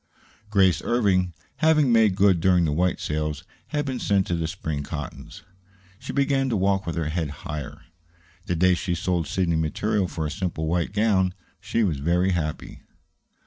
Grace Irving, having made good during the white sales, had been sent to the spring cottons. She began to walk with her head higher. The day she sold Sidney material for a simple white gown, she was very happy.